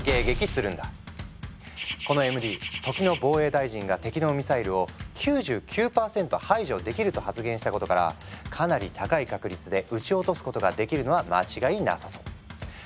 このＭＤ時の防衛大臣が敵のミサイルを「９９％排除できる」と発言したことからかなり高い確率で撃ち落とすことができるのは間違いなさそう。